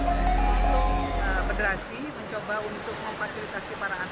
saya berharap ini akan menjadi